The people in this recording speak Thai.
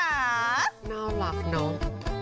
น่ารักน้อง